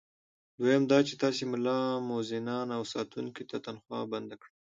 دویم دا چې تاسي ملا، مؤذنانو او ساتونکو ته تنخوا بنده کړه.